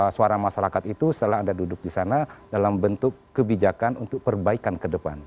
suara masyarakat itu setelah anda duduk di sana dalam bentuk kebijakan untuk perbaikan ke depan